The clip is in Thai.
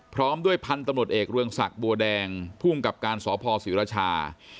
พร้อมด้วยพันธุ์ตำรวจเอกเรืองศักดิ์บัวแดงภูมิกับการสพศรีรชา